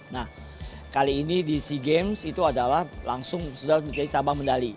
nah kali ini di sea games itu adalah langsung sudah menjadi cabang medali